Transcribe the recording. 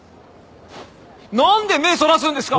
なんで目そらすんですか？